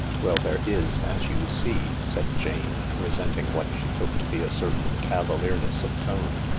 " Well, there is, as you see," said Jane, resenting what she took to be a certain cavalierness of tone.